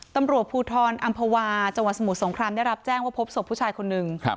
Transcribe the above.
ตำรวจพลธรอัมพวาจังวันสมุด๒ครั้งได้รับแจ้งว่าพบสพฟุ่ชายคนหนึ่ง